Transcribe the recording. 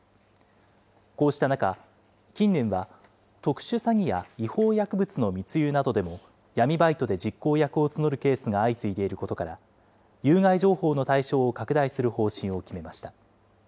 こうした中、近年は特殊詐欺や違法薬物の密輸などでも闇バイトで実行役を募るケースが相次いでいることから、有害情報の対象を拡大する方針を決めました。